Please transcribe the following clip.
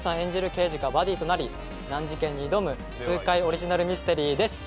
刑事がバディとなり難事件に挑む痛快オリジナルミステリーです